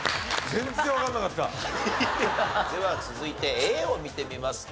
では続いてＡを見てみますか。